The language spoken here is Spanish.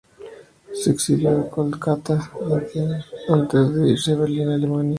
Se exilió en Kolkata, India antes de irse a Berlín, Alemania.